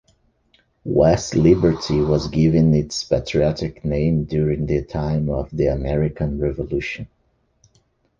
West Liberty was given its patriotic name during the time of the American Revolution.